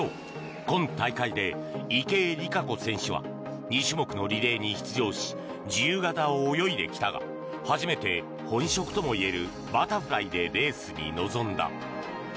今大会で池江璃花子選手は２種目のリレーに出場し自由形を泳いできたが初めて本職ともいえるバタフライでレースに臨んだ。